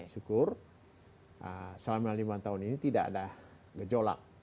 syukur selama lima tahun ini tidak ada gejolak